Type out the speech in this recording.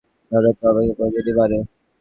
দাদা তো আমাকে প্রতিদিনই মারে।